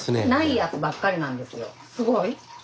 すごい？